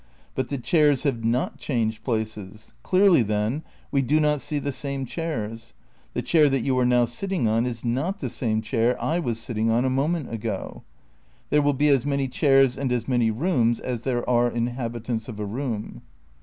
But the chairs have not changed places. Clearly, then, we do not see the same chairs. The chair that you are now sitting on is not the same chair I was sitting on a moment ago. There wiU be as many chairs and as many rooms as there are inhabitants of a room.